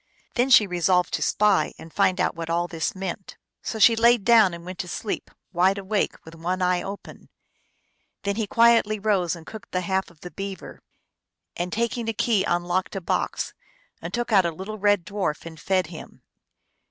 Then she resolved to spy and find out what all this meant. So she laid down and went to sleep, wide awake, with one eye open. Then he quietly rose and cooked the half of the beaver, and taking a key (Apkwosge hegan, P.) unlocked a box, and took out a little red dwarf and fed him.